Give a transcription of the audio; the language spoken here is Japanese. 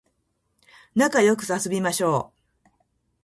なかよく遊びましょう